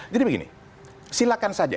jadi begini silahkan saja